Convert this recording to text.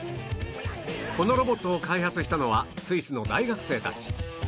このロボットを開発したのはスイスの大学生たち